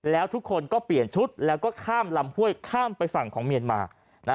แล้วทุกคนก็เปลี่ยนชุดแล้วก็ข้ามลำห้วยข้ามไปฝั่งของเมียนมา